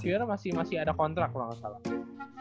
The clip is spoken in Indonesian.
okiwira masih ada kontrak kalau gak salah